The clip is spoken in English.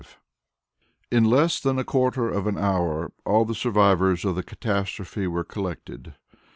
V In less than a quarter of an hour, all the survivors of the catastrophe were collected.